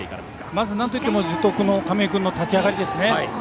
まず、なんといっても樹徳の亀井君の立ち上がりですね。